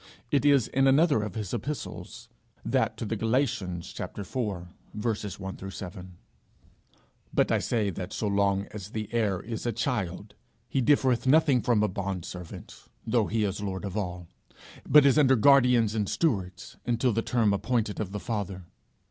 It is in another of his epistles that to the Galatians: iv. I 7. 'But I say that so long as the heir is a child, he differeth nothing from a bondservant, though he is lord of all; but is under guardians and stewards until the term appointed of the father.